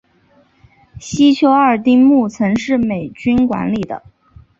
西丘二丁目曾是美军管理的。